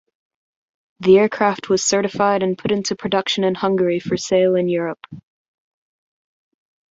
The aircraft was certified and put into production in Hungary for sale in Europe.